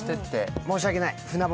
申し訳ない、船堀。